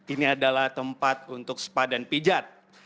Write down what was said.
ini adalah tempat untuk spa dan pijat